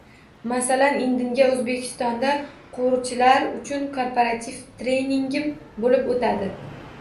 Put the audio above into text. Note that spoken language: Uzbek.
Masalan, indinga Oʻzbekistonda quruvchilar uchun korporativ treningim boʻlib oʻtadi.